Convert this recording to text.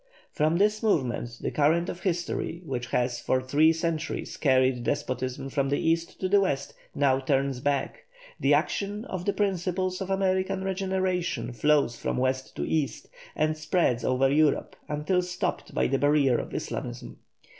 From this moment the current of history, which has for three centuries carried despotism from the East to the West, now turns back; the action of the principles of American regeneration flows from West to East and spreads over Europe until stopped by the barrier of Islamism.